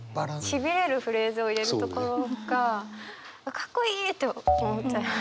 しびれるフレーズを入れるところがかっこいいと思っちゃいました。